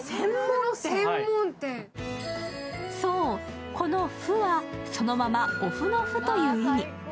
そう、この「ふ」はそのままお麩の麩という意味。